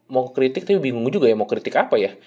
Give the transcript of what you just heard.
mau kritik tapi bingung juga ya mau kritik apa ya